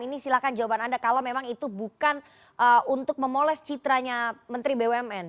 ini silahkan jawaban anda kalau memang itu bukan untuk memoles citranya menteri bumn